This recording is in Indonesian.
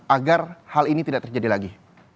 agar hal ini tidak terjadi lagi